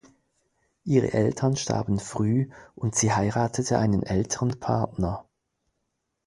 Ihre Eltern starben früh und sie heiratete einen älteren Partner.